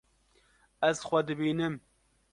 Ez xwe dibînim.